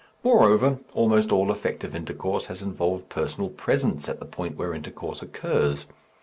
Moreover, almost all effective intercourse has involved personal presence at the point where intercourse occurs.